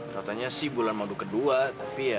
katanya sih bulan madu kedua tapi ya